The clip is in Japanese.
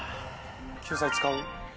救済使う？